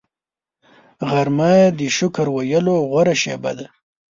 غرمه د شکر ویلو غوره شیبه ده